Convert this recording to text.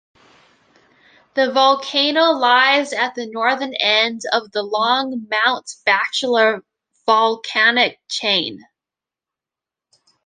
The volcano lies at the northern end of the long Mount Bachelor Volcanic Chain.